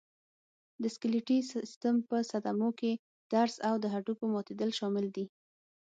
د سکلېټي سیستم په صدمو کې درز او د هډوکو ماتېدل شامل دي.